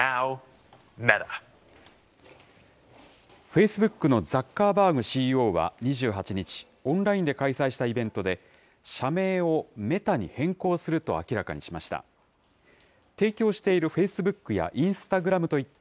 フェイスブックのザッカーバーグＣＥＯは２８日、オンラインで開催したイベントで、社名をメタに変更すると明らかにしました。